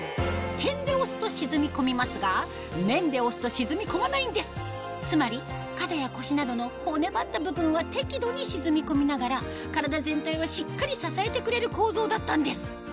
点で押すと沈み込みますが面で押すと沈み込まないんですつまり肩や腰などの骨ばった部分は適度に沈み込みながら体全体はしっかり支えてくれる構造だったんです